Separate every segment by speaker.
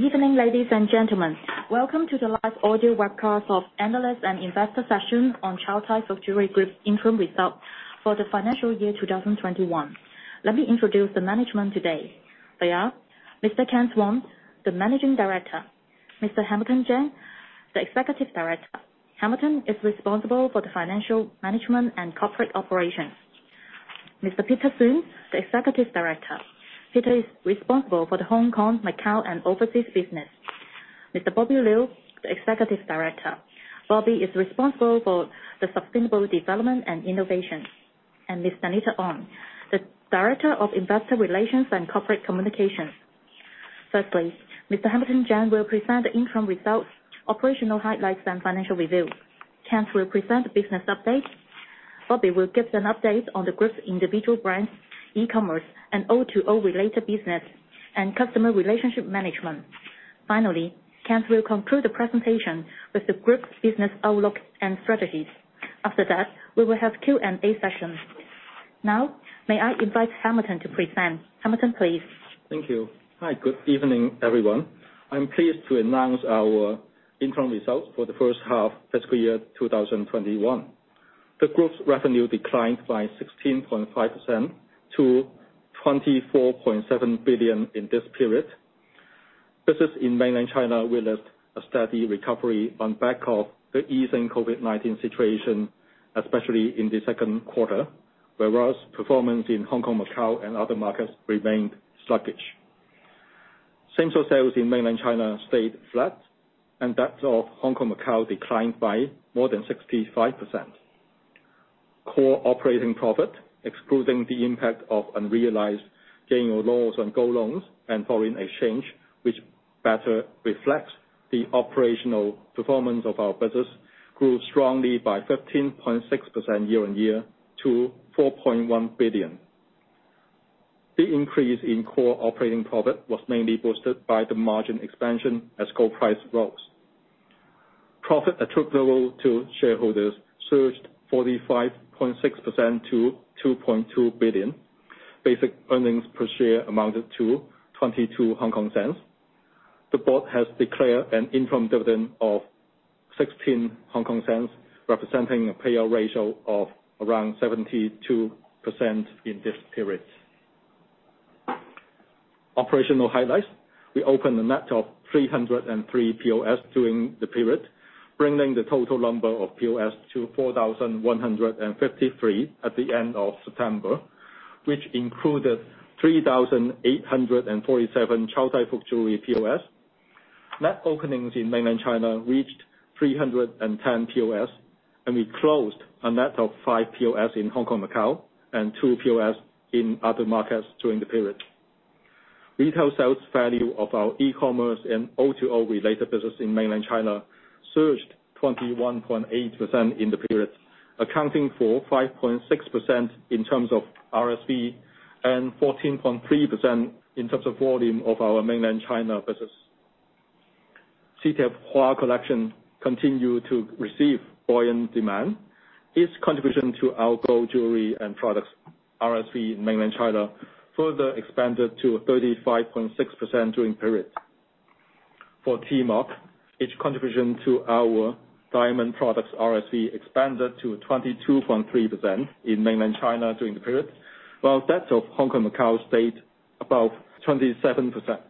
Speaker 1: Good evening, ladies and gentlemen. Welcome to the live audio webcast of analyst and investor session on Chow Tai Fook Jewellery Group interim results for the financial year 2021. Let me introduce the management today. They are Mr. Kent Wong, the Managing Director. Mr. Hamilton Cheng, the Executive Director. Hamilton is responsible for the financial management and corporate operations. Mr. Peter Suen, the Executive Director. Peter is responsible for the Hong Kong, Macau, and overseas business. Mr. Bobby Liu, the Executive Director. Bobby is responsible for the sustainable development and innovation. Ms. Danita On, the Director of Investor Relations and Corporate Communications. Firstly, Mr. Hamilton Cheng will present the interim results, operational highlights, and financial review. Kent will present the business update. Bobby will give an update on the group's individual brands, e-commerce, and O2O related business, and customer relationship management. Finally, Kent will conclude the presentation with the group's business outlook and strategies. After that, we will have Q&A session. Now, may I invite Hamilton to present. Hamilton, please.
Speaker 2: Thank you. Hi. Good evening, everyone. I'm pleased to announce our interim results for the first half fiscal year 2021. The group's revenue declined by 16.5% to 24.7 billion in this period. Business in mainland China witnessed a steady recovery on back of the easing COVID-19 situation, especially in the second quarter. Whereas performance in Hong Kong, Macau, and other markets remained sluggish. Same-store sales in mainland China stayed flat, and that of Hong Kong, Macau declined by more than 65%. Core operating profit, excluding the impact of unrealized gain or loss on gold loans and foreign exchange, which better reflects the operational performance of our business, grew strongly by 15.6% year-on-year to 4.1 billion. The increase in core operating profit was mainly boosted by the margin expansion as gold price rose. Profit attributable to shareholders surged 45.6% to 2.2 billion. Basic earnings per share amounted to 0.22. The board has declared an interim dividend of 0.16, representing a payout ratio of around 72% in this period. Operational highlights, we opened a net of 303 POS during the period, bringing the total number of POS to 4,153 at the end of September, which included 3,847 Chow Tai Fook Jewellery POS. Net openings in mainland China reached 310 POS, and we closed a net of five POS in Hong Kong, Macau, and two POS in other markets during the period. Retail sales value of our e-commerce and O2O related business in mainland China surged 21.8% in the period, accounting for 5.6% in terms of RSV and 14.3% in terms of volume of our mainland China business. CTF HUÁ Collection continued to receive buoyant demand. Its contribution to our gold jewelry and products RSV in mainland China further expanded to 35.6% during the period. For T MARK, its contribution to our diamond products RSV expanded to 22.3% in mainland China during the period, while that of Hong Kong, Macau stayed above 27%.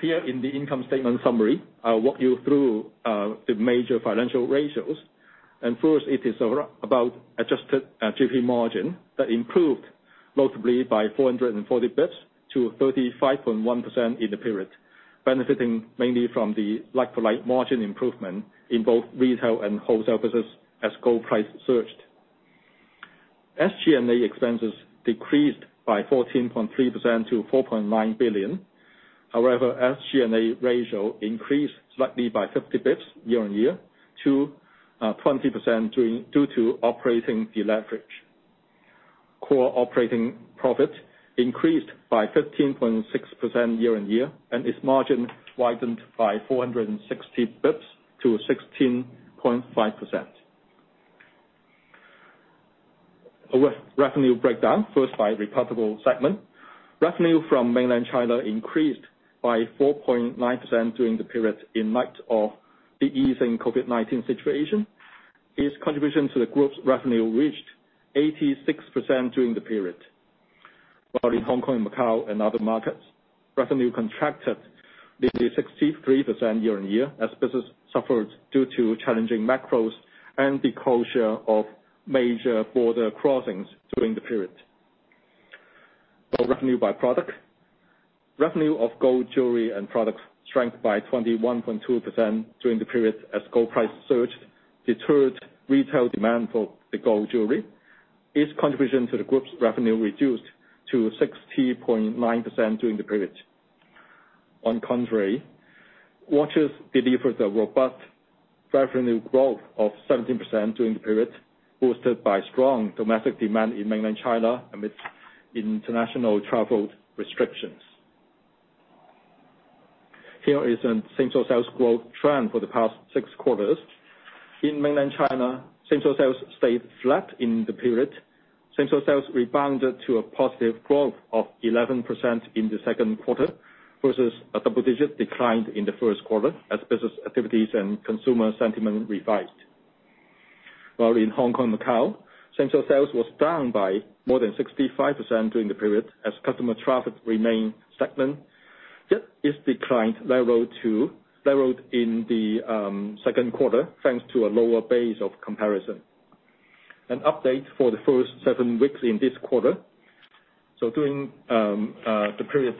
Speaker 2: Here in the income statement summary, I'll walk you through the major financial ratios. First, it is about adjusted GP margin that improved notably by 440 basis points to 35.1% in the period, benefiting mainly from the like-for-like margin improvement in both retail and wholesale business as gold price surged. SG&A expenses decreased by 14.3% to 4.9 billion. SG&A ratio increased slightly by 50 basis points year-on-year to 20% due to operating deleverage. Core operating profit increased by 15.6% year-on-year, and its margin widened by 460 basis points to 16.5%. Revenue breakdown, first by reportable segment. Revenue from mainland China increased by 4.9% during the period in light of the easing COVID-19 situation. Its contribution to the group's revenue reached 86% during the period. In Hong Kong and Macau and other markets, revenue contracted nearly 63% year-on-year as business suffered due to challenging macros and the closure of major border crossings during the period. For revenue by product, revenue of gold jewelry and products shrank by 21.2% during the period as gold price surged deterred retail demand for the gold jewelry. Its contribution to the group's revenue reduced to 60.9% during the period. On contrary, watches delivered a robust revenue growth of 17% during the period, boosted by strong domestic demand in mainland China amidst international travel restrictions. Here is a same-store sales growth trend for the past six quarters. In mainland China, same-store sales stayed flat in the period. Same-store sales rebounded to a positive growth of 11% in the second quarter versus a double-digit decline in the first quarter as business activities and consumer sentiment revived. While in Hong Kong and Macau, same-store sales was down by more than 65% during the period as customer traffic remained stagnant. It declined, narrowed in the second quarter, thanks to a lower base of comparison. An update for the first seven weeks in this quarter. During the period,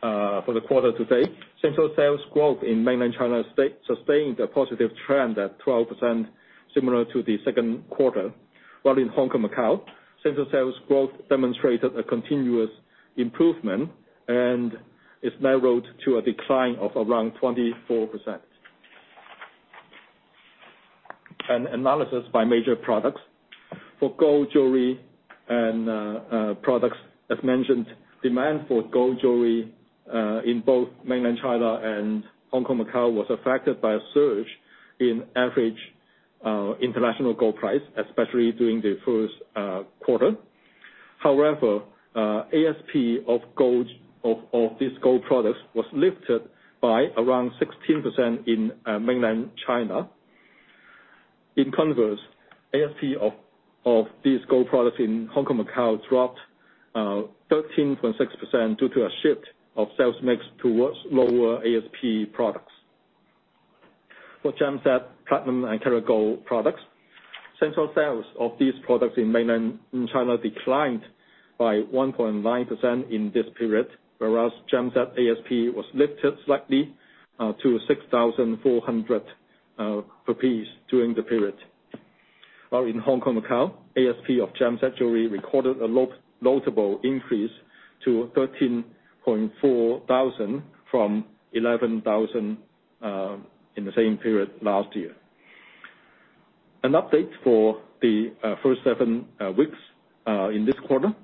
Speaker 2: for the quarter-to-date, same-store sales growth in mainland China sustained a positive trend at 12%, similar to the second quarter. While in Hong Kong and Macau, same-store sales growth demonstrated a continuous improvement and is narrowed to a decline of around 24%. An analysis by major products. For gold jewelry and products, as mentioned, demand for gold jewelry, in both mainland China and Hong Kong and Macau was affected by a surge in average international gold price, especially during the first quarter. However, ASP of these gold products was lifted by around 16% in mainland China. In converse, ASP of these gold products in Hong Kong and Macau dropped 13.6% due to a shift of sales mix towards lower ASP products. For gem-set platinum and karat gold products, same-store sales of these products in mainland China declined by 1.9% in this period, whereas gem-set ASP was lifted slightly to 6,400 per piece during the period. While in Hong Kong and Macau, ASP of gem-set jewelry recorded a notable increase to 13,400 from 11,000 in the same period last year. An update for the first seven weeks in this quarter.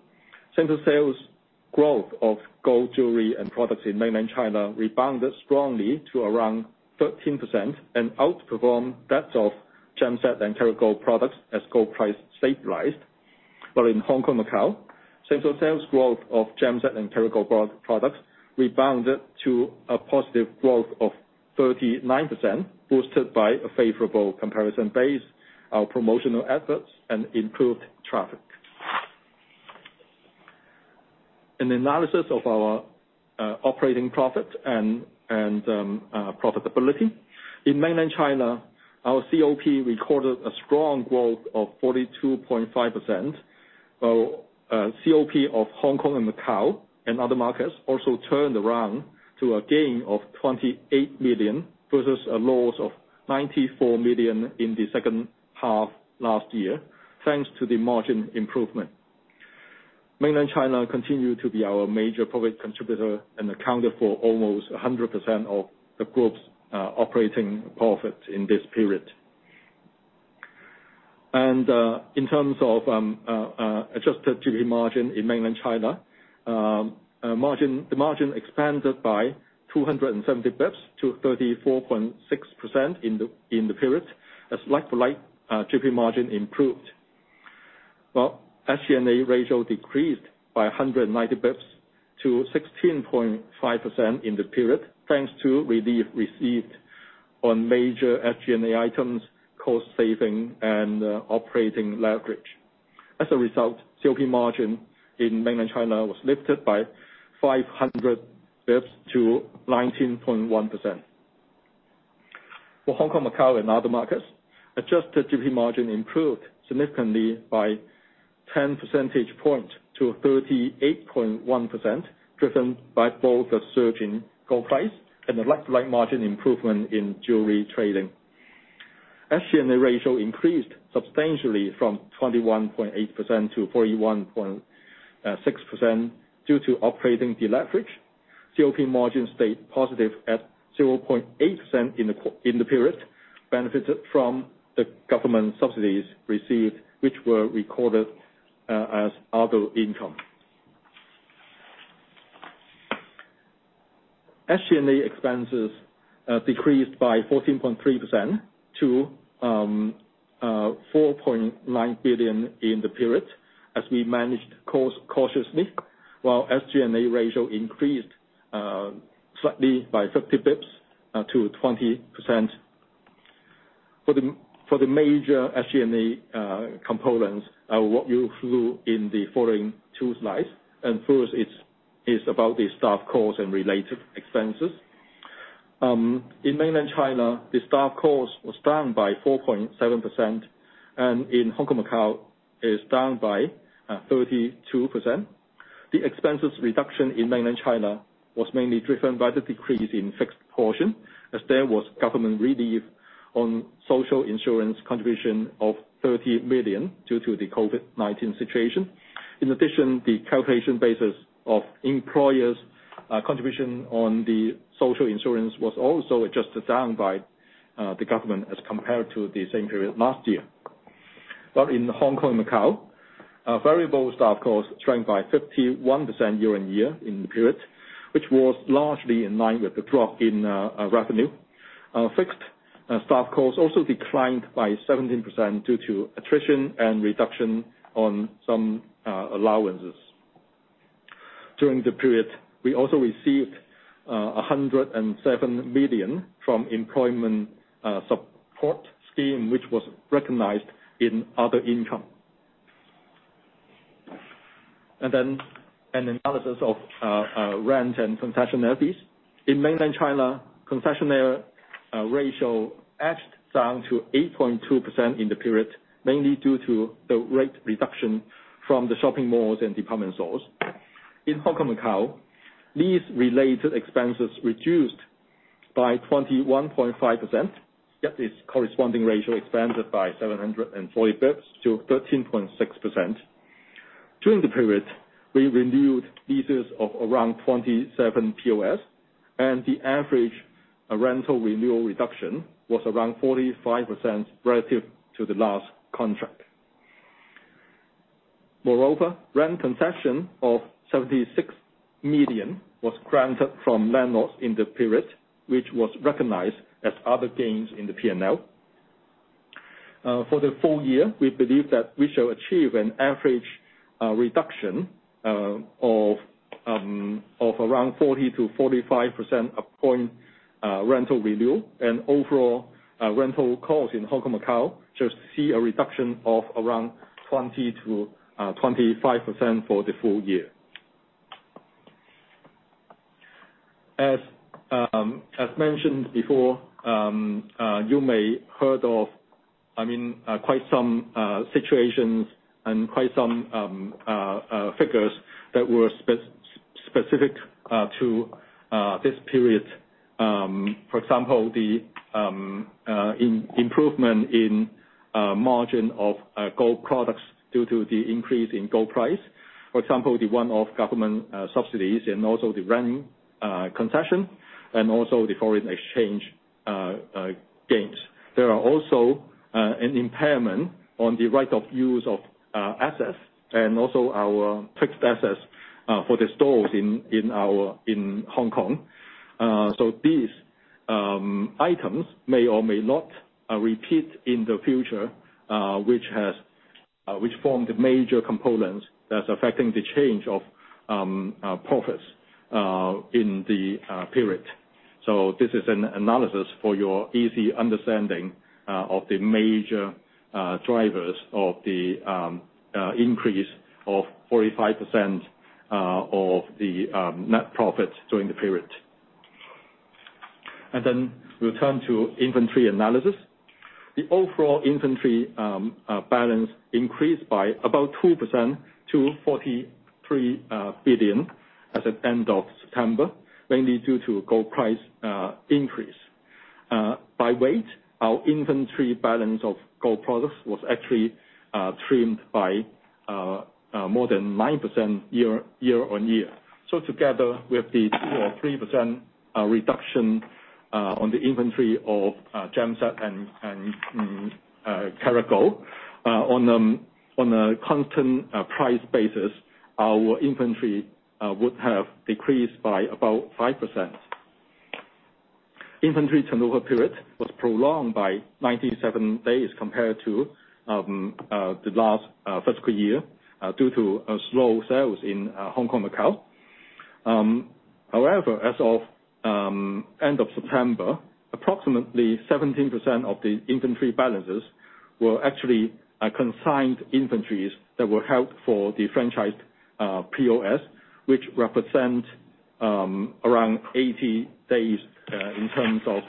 Speaker 2: In Hong Kong and Macau, same-store sales growth of gem-set and karat gold products rebounded to a positive growth of 39%, boosted by a favorable comparison base, our promotional efforts, and improved traffic. An analysis of our operating profit and profitability. In Mainland China, our COP recorded a strong growth of 42.5%, while COP of Hong Kong and Macau and other markets also turned around to a gain of 28 million versus a loss of 94 million in the second half last year, thanks to the margin improvement. Mainland China continued to be our major profit contributor and accounted for almost 100% of the group's operating profit in this period. In terms of adjusted GP margin in mainland China, the margin expanded by 270 basis points to 34.6% in the period as like-for-like GP margin improved. SG&A ratio decreased by 190 basis points to 16.5% in the period, thanks to relief received on major SG&A items, cost saving, and operating leverage. As a result, COP margin in mainland China was lifted by 500 basis points to 19.1%. For Hong Kong, Macau, and other markets, adjusted GP margin improved significantly by 10 percentage point to 38.1%, driven by both the surge in gold price and the like-for-like margin improvement in jewelry trading. SG&A ratio increased substantially from 21.8% to 41.6% due to operating deleverage. COP margin stayed positive at 0.8% in the period, benefited from the government subsidies received, which were recorded as other income. SG&A expenses decreased by 14.3% to 4.9 billion in the period as we managed cautiously while SG&A ratio increased slightly by 50 basis points to 20%. For the major SG&A components are walk you through in the following two slides. First, it's about the staff costs and related expenses. In mainland China, the staff cost was down by 4.7%, and in Hong Kong and Macau is down by 32%. The expenses reduction in mainland China was mainly driven by the decrease in fixed portion as there was government relief on social insurance contribution of 30 million due to the COVID-19 situation. In addition, the calculation basis of employers' contribution on the social insurance was also adjusted down by the government as compared to the same period last year. In Hong Kong and Macau, variable staff costs shrank by 51% year-on-year in the period, which was largely in line with the drop in revenue. Fixed staff costs also declined by 17% due to attrition and reduction on some allowances. During the period, we also received 107 million from Employment Support Scheme, which was recognized in other income. An analysis of rent and concessionaire fees. In mainland China, concessionaire ratio edged down to 8.2% in the period, mainly due to the rate reduction from the shopping malls and department stores. In Hong Kong and Macau, these related expenses reduced by 21.5%, yet its corresponding ratio expanded by 740 bps to 13.6%. The average rental renewal reduction was around 45% relative to the last contract. Rent concession of 76 million was granted from landlords in the period, which was recognized as other gains in the P&L. For the full year, we believe that we shall achieve an average reduction of around 40%-45% upon rental review, and overall rental costs in Hong Kong and Macau should see a reduction of around 20%-25% for the full year. As mentioned before, you may heard of quite some situations and quite some figures that were specific to this period. For example, the improvement in margin of gold products due to the increase in gold price. For example, the one-off government subsidies and also the rent concession and also the foreign exchange gains. There are also an impairment on the right of use of assets and also our fixed assets for the stores in Hong Kong. These items may or may not repeat in the future, which formed major components that's affecting the change of profits in the period. This is an analysis for your easy understanding of the major drivers of the increase of 45% of the net profits during the period. We turn to inventory analysis. The overall inventory balance increased by about 2% to 43 billion as at end of September, mainly due to gold price increase. By weight, our inventory balance of gold products was actually trimmed by more than 9% year-on-year. Together, with the 2% or 3% reduction on the inventory of gem set and karat gold on a constant price basis, our inventory would have decreased by about 5%. Inventory turnover period was prolonged by 97 days compared to the last fiscal year due to slow sales in Hong Kong and Macau. However, as of end of September, approximately 17% of the inventory balances were actually consigned inventories that were held for the franchised POS, which represent around 80 days in terms of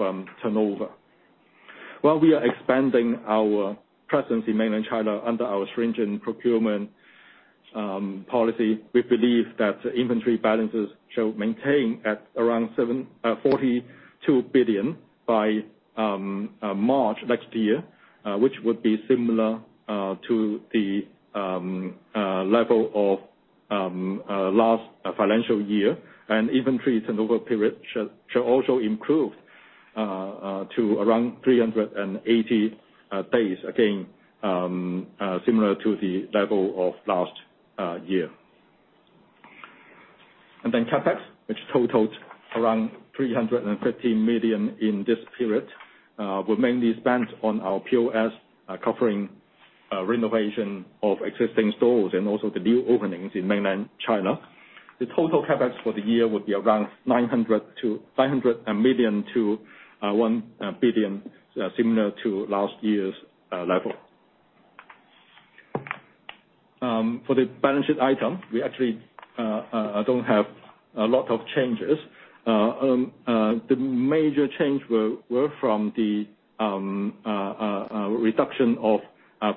Speaker 2: turnover. While we are expanding our presence in mainland China under our stringent procurement policy, we believe that inventory balances should maintain at around 42 billion by March next year, which would be similar to the level of last financial year, and inventory turnover period should also improve to around 380 days. Again, similar to the level of last year. CapEx, which totaled around 350 million in this period, were mainly spent on our POS, covering renovation of existing stores and also the new openings in mainland China. The total CapEx for the year would be around 500 million-1 billion, similar to last year's level. For the balance sheet item, we actually don't have a lot of changes. The major change were from the reduction of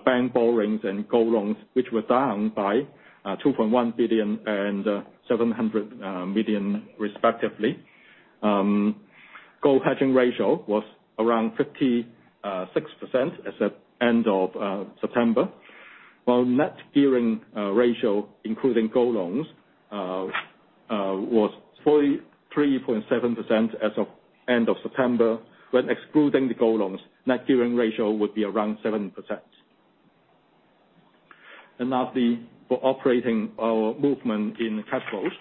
Speaker 2: bank borrowings and gold loans, which were down by 2.1 billion and 700 million respectively. Gold hedging ratio was around 56% as at end of September. Net gearing ratio, including gold loans, was 43.7% as of end of September, when excluding the gold loans, net gearing ratio would be around 7%. Lastly, for operating our movement in cash flows.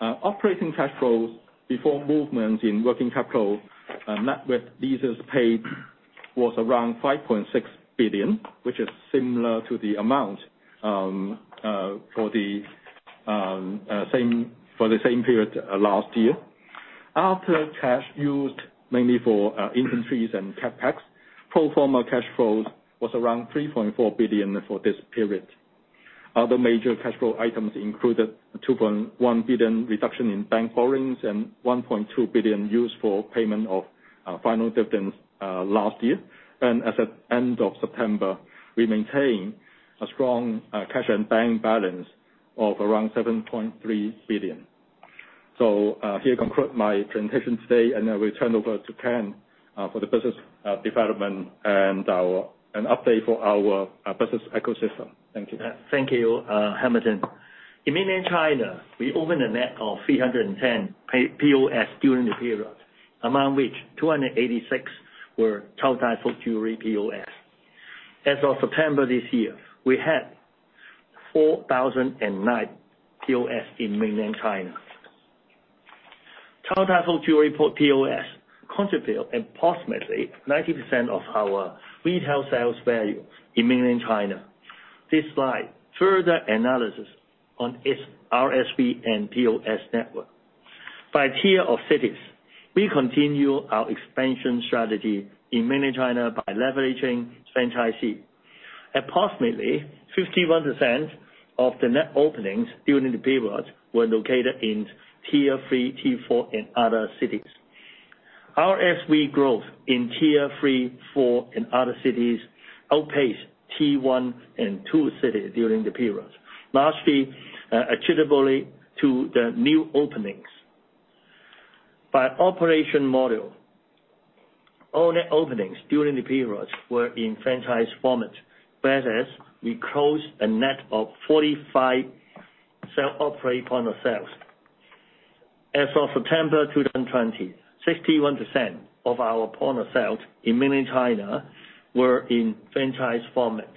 Speaker 2: Operating cash flows before movement in working capital, net with leases paid, was around 5.6 billion, which is similar to the amount for the same period last year. After cash used mainly for inventories and CapEx, pro forma cash flows was around 3.4 billion for this period. Other major cash flow items included a 2.1 billion reduction in bank borrowings and 1.2 billion used for payment of final dividends last year. As at end of September, we maintain a strong cash and bank balance of around 7.3 billion. Here conclude my presentation today, and I will turn over to Kent for the business development and update for our business ecosystem. Thank you.
Speaker 3: Thank you, Hamilton. In mainland China, we opened a net of 310 POS during the period, among which 286 were Chow Tai Fook Jewellery POS. As of September this year, we had 4,009 POS in mainland China. Chow Tai Fook Jewellery POS contribute approximately 90% of our retail sales value in mainland China. This slide, further analysis on its RSV and POS network. By tier of cities, we continue our expansion strategy in mainland China by leveraging franchisee. Approximately 51% of the net openings during the period were located in Tier 3, Tier 4 and other cities. RSV growth in Tier 3, 4 and other cities outpaced Tier 1 and 2 cities during the period, largely attributable to the new openings. By operation model, all net openings during the period were in franchise format, whereas we closed a net of 45 self-operate point-of-sales. As of September 2020, 61% of our point-of-sales in mainland China were in franchise format.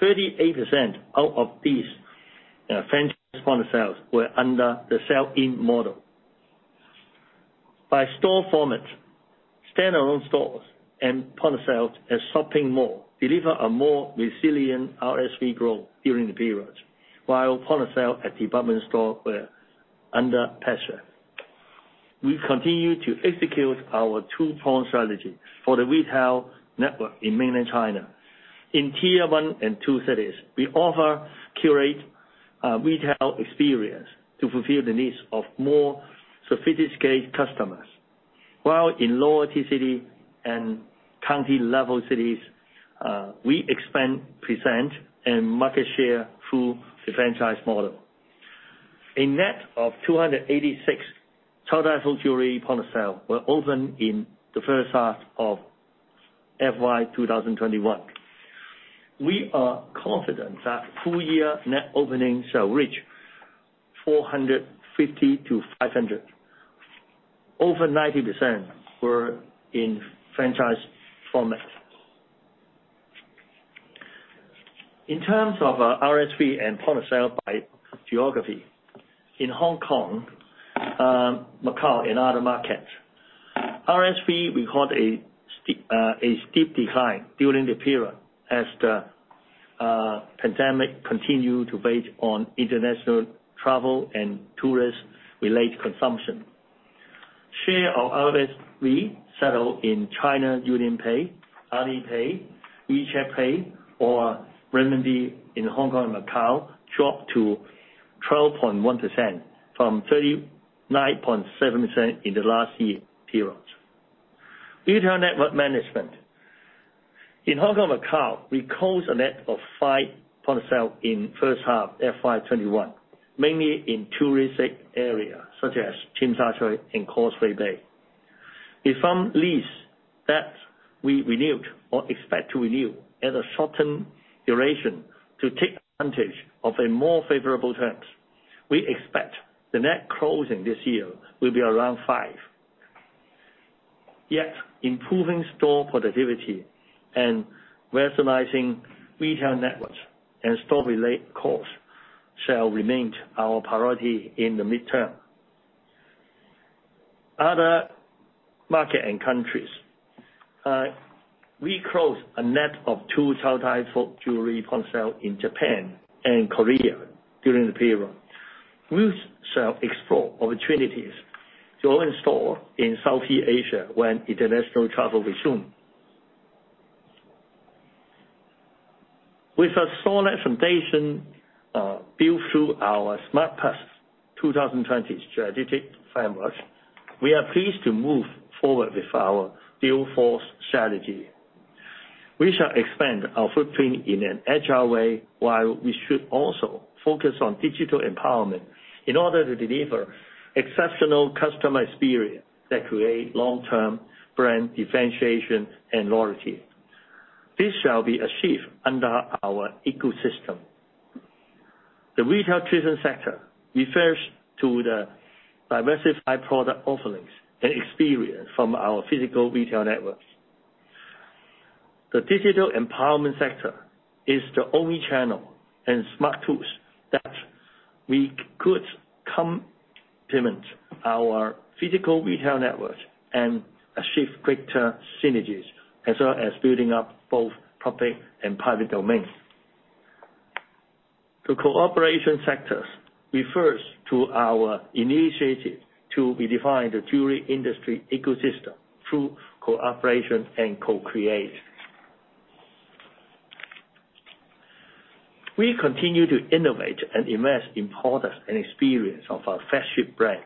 Speaker 3: 38% of these franchise point-of-sales were under the sell-in model. By store format, standalone stores and point-of-sales at shopping mall deliver a more resilient RSV growth during the period, while point-of-sale at department store were under pressure. We continue to execute our two-pronged strategy for the retail network in mainland China. In Tier 1 and 2 cities, we offer curated retail experience to fulfill the needs of more sophisticated customers. While in lower tier city and county-level cities, we expand presence and market share through the franchise model. A net of 286 Chow Tai Fook Jewellery point-of-sale were opened in the first half of FY 2021. We are confident that full-year net openings shall reach 450-500. Over 90% were in franchise format. In terms of RSV and point-of-sale by geography, in Hong Kong, Macau and other markets, RSV record a steep decline during the period as the pandemic continued to weigh on international travel and tourist-related consumption. Share of RSV settled in China UnionPay, Alipay, WeChat Pay or RMB in Hong Kong and Macau dropped to 12.1% from 39.7% in the last year periods. Retail network management. In Hong Kong and Macau, we closed a net of five point-of-sale in the first half FY 2021, mainly in touristic areas such as Tsim Sha Tsui and Causeway Bay. With some lease that we renewed or expect to renew at a shortened duration to take advantage of a more favorable terms, we expect the net closing this year will be around five. Improving store productivity and rationalizing retail networks and store-related costs shall remain our priority in the midterm. Other market and countries. We closed a net of two Chow Tai Fook Jewellery point-of-sale in Japan and Korea during the period. We shall explore opportunities to open store in Southeast Asia when international travel resumes. With a solid foundation built through our Smart+ 2020 strategic framework, we are pleased to move forward with our Dual-Force Strategy. We shall expand our footprint in an agile way while we should also focus on digital empowerment. In order to deliver exceptional customer experience that creates long-term brand differentiation and loyalty. This shall be achieved under our ecosystem. The retail expansion sector refers to the diversified product offerings and experience from our physical retail networks. The digital empowerment sector is the omni-channel and smart tools that we could complement our physical retail network and achieve greater synergies, as well as building up both public and private domains. The cooperation sectors refers to our initiative to redefine the jewelry industry ecosystem through cooperation and co-creation. We continue to innovate and invest in products and experience of our flagship brand.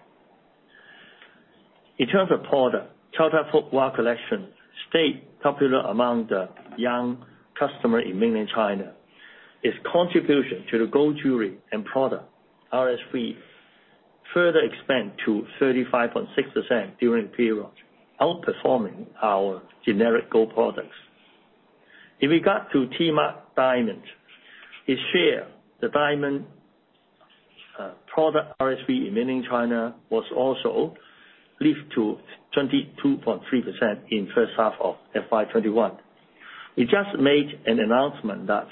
Speaker 3: In terms of product, Chow Tai Fook HUÁ Collection stayed popular among the young customer in Mainland China. Its contribution to the gold jewelry and product RSV further expand to 35.6% during the period, outperforming our generic gold products. In regard to T Mark diamond, its share, the diamond product RSV in Mainland China was also lift to 22.3% in first half of FY 2021. We just made an announcement that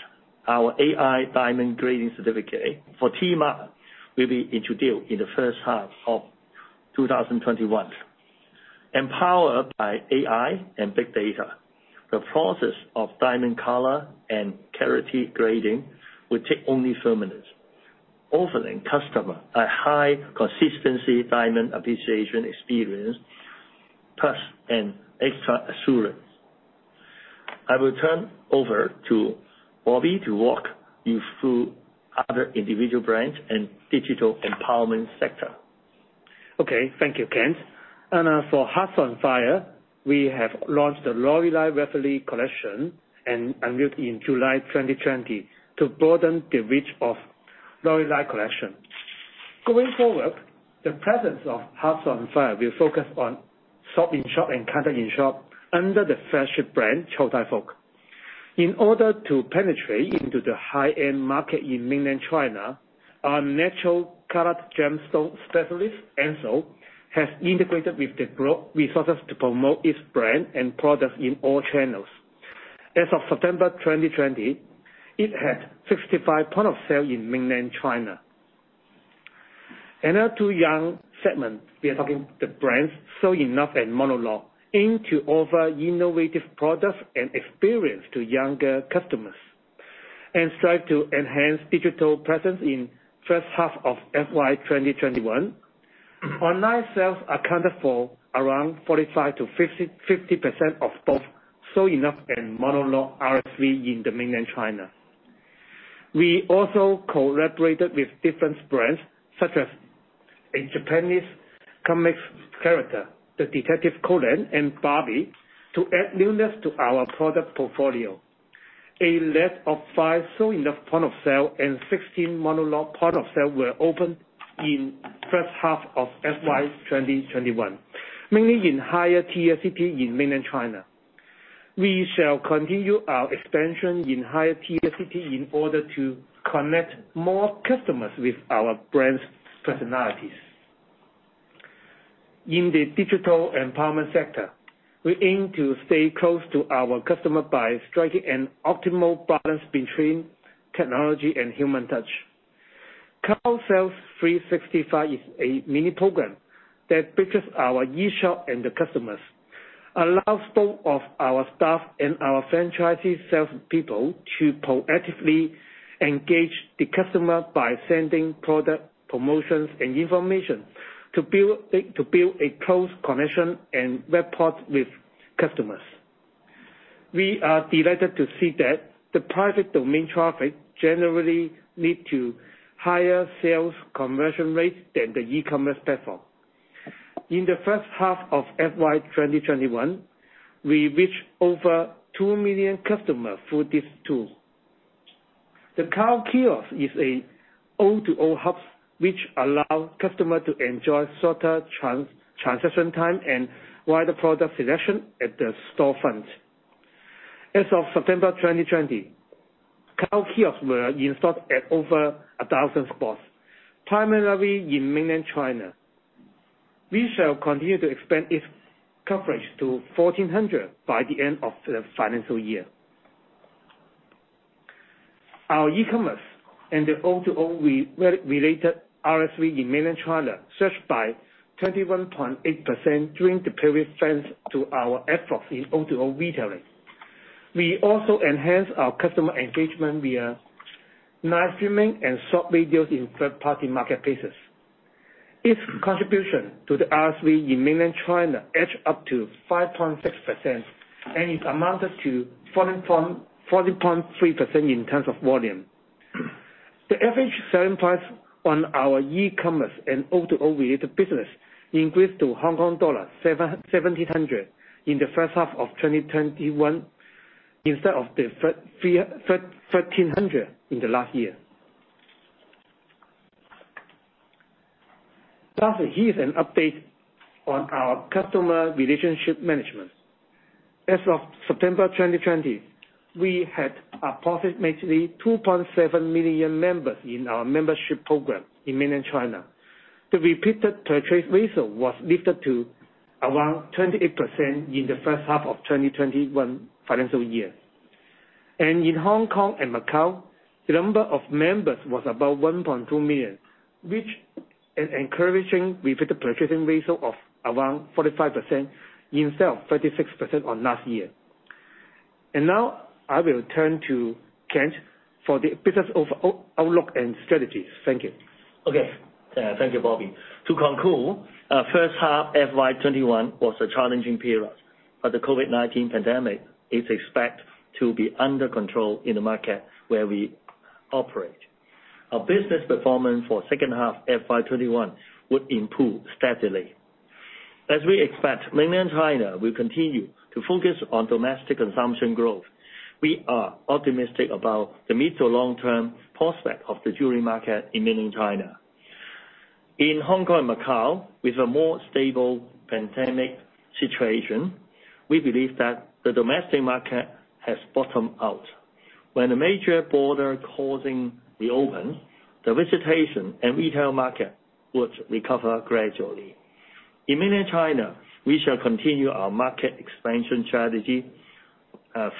Speaker 3: our AI diamond grading certificate for T Mark will be introduced in the first half of 2021. Empowered by AI and big data, the process of diamond color and clarity grading will take only four minutes, offering customer a high consistency diamond appreciation experience plus an extra assurance. I will turn over to Bobby to walk you through other individual brands and digital empowerment sector.
Speaker 4: Okay. Thank you, Kent. For HEARTS ON FIRE, we have launched the LORELEI REVERIE Collection and amulet in July 2020 to broaden the reach of Lorelei collection. Going forward, the presence of HEARTS ON FIRE will focus on shop-in-shop and counter-in-shop under the flagship brand, Chow Tai Fook. In order to penetrate into the high-end market in Mainland China, our natural colored gemstone specialist, ENZO, has integrated with the resources to promote its brand and product in all channels. As of September 2020, it had 65 point of sale in Mainland China. Our two young segment, we are talking the brands SOINLOVE and Monologue, aim to offer innovative products and experience to younger customers and strive to enhance digital presence in first half of FY 2021. Online sales accounted for around 45%-50% of both SOINLOVE and Monologue RSV in the Mainland China. We also collaborated with different brands such as a Japanese comics character, the Detective Conan and Barbie, to add newness to our product portfolio. A list of five SOINLOVE point of sale and 16 Monologue point of sale were opened in first half of FY 2021, mainly in higher tier city in Mainland China. We shall continue our expansion in higher tier city in order to connect more customers with our brand's personalities. In the digital empowerment sector, we aim to stay close to our customer by striking an optimal balance between technology and human touch. CloudSales 365 is a mini program that bridges our e-shop and the customers, allows both of our staff and our franchisee salespeople to proactively engage the customer by sending product promotions and information to build a close connection and rapport with customers. We are delighted to see that the private domain traffic generally leads to higher sales conversion rate than the e-commerce platform. In the first half of FY 2021, we reached over 2 million customers through this tool. The Cloud Kiosk is an O2O hub which allows customers to enjoy shorter transaction time and wider product selection at the store front. As of September 2020, Cloud Kiosk was installed at over 1,000 spots, primarily in Mainland China. We shall continue to expand its coverage to 1,400 by the end of the financial year. Our e-commerce and O2O-related RSV in Mainland China surged by 21.8% during the period, thanks to our efforts in O2O retailing. We also enhanced our customer engagement via live streaming and short videos in third-party marketplaces. Its contribution to the RSV in Mainland China edged up to 5.6% and it amounted to 14.3% in terms of volume. The average selling price on our e-commerce and O2O-related business increased to Hong Kong dollar 1,700 in the first half of 2021 instead of the 1,300 in the last year. Lastly, here's an update on our customer relationship management. As of September 2020, we had approximately 2.7 million members in our membership program in Mainland China. The repeated purchase ratio was lifted to around 28% in the first half of 2021 financial year. In Hong Kong and Macau, the number of members was about 1.2 million, which is encouraging repeated purchasing ratio of around 45% instead of 36% on last year. Now I will turn to Kent for the business outlook and strategies. Thank you.
Speaker 3: Okay. Thank you, Bobby. To conclude, first half FY 2021 was a challenging period, but the COVID-19 pandemic is expected to be under control in the market where we operate. Our business performance for second half FY 2021 would improve steadily. As we expect Mainland China will continue to focus on domestic consumption growth, we are optimistic about the mid-to-long-term prospect of the jewelry market in Mainland China. In Hong Kong and Macau, with a more stable pandemic situation, we believe that the domestic market has bottomed out. When the major border crossings will open, the visitation and retail market would recover gradually. In Mainland China, we shall continue our market expansion strategy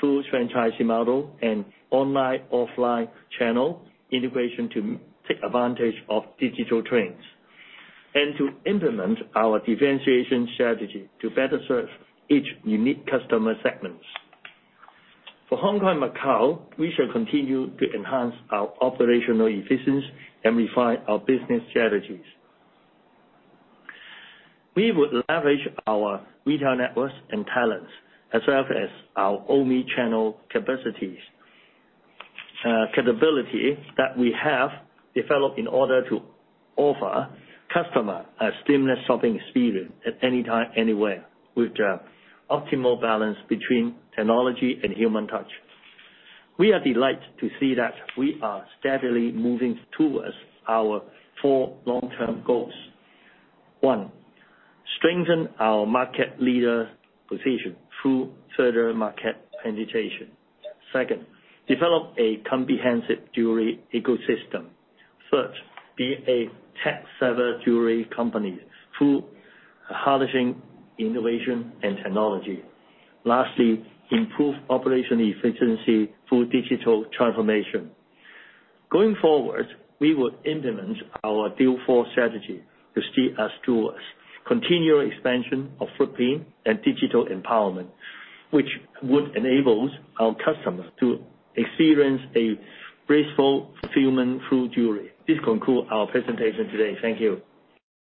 Speaker 3: through franchising model and online/offline channel integration to take advantage of digital trends, and to implement our differentiation strategy to better serve each unique customer segments. For Hong Kong and Macau, we shall continue to enhance our operational efficiency and refine our business strategies. We would leverage our retail networks and talents as well as our omni-channel capabilities that we have developed in order to offer customer a seamless shopping experience at any time, anywhere with optimal balance between technology and human touch. We are delighted to see that we are steadily moving towards our four long-term goals. One, strengthen our market leader position through further market penetration. Second, develop a comprehensive jewelry ecosystem. Third, be a tech-savvy jewelry company through harnessing innovation and technology. Lastly, improve operational efficiency through digital transformation. Going forward, we would implement our Dual-Force Strategy to see us through continual expansion of footprint and digital empowerment, which would enable our customers to experience a graceful fulfillment through jewelry. This concludes our presentation today. Thank you.